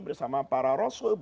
bersama para rasul